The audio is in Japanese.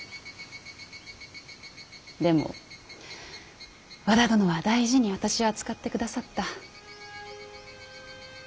でも和田殿は大事に私を扱ってくださった。